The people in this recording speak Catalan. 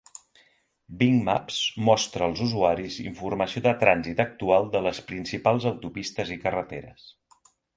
Bing Maps mostra als usuaris informació de trànsit actual de les principals autopistes i carreteres.